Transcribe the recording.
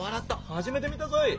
初めて見たぞい。